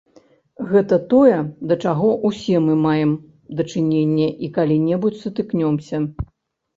Гэта тое, да чаго ўсе мы маем дачыненне і калі-небудзь сутыкнемся.